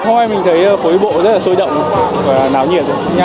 hôm nay mình thấy phố đi bộ rất là sôi động và náo nhiệt